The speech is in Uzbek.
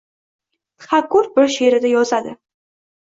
Txakur bir she’rida yozadi: